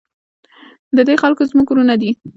د دې خلک زموږ ورونه دي؟